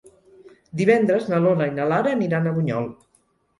Divendres na Lola i na Lara aniran a Bunyol.